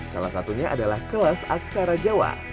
salah satunya adalah kelas aksara jawa